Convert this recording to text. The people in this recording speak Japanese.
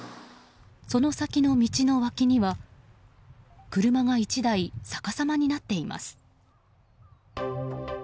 その先の道の脇には車が１台さかさまになっています。